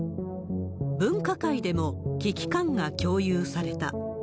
分科会でも、危機感が共有された。